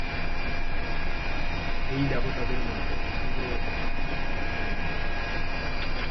এই দেবতাদের মধ্যে ইন্দ্র, অগ্নি ও সোম প্রধান।